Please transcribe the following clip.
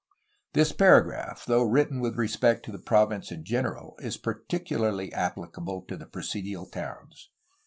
This paragraph, though written with respect to the province in general, is particularly applicable to the presidial towns.